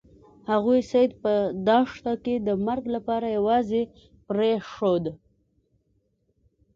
هغوی سید په دښته کې د مرګ لپاره یوازې پریښود.